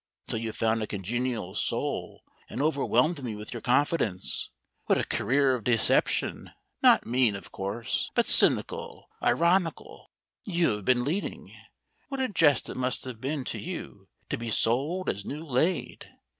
Until you found a congenial soul and overwhelmed me with your confidence, what a career of deception not mean, of course, but cynical ironical you have been leading. What a jest it must have been to you to be sold as new laid!